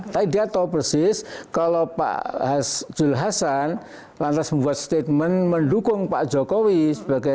tapi dia tahu persis kalau pak jul hasan lantas membuat statement mendukung pak jokowi sebagai